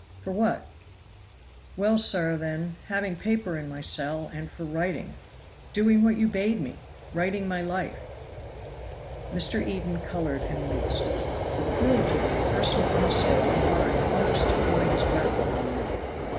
"For what?" "Well, sir, then having paper in my cell, and for writing doing what you bade me writing my life." Mr. Eden colored and winced. The cruelty and the personal insult combined almost took away his breath for a moment.